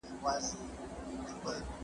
عبدالله مقری